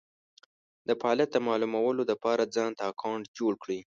دفعالیت د مالومولو دپاره ځانته اکونټ جوړ کړی